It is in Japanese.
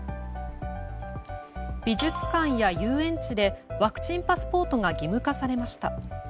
美術館や遊園地でワクチンパスポートが義務化されました。